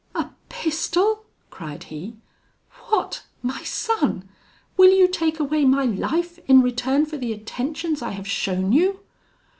'A pistol!' cried he. 'What! my son? will you take away my life in return for the attentions I have shown you?'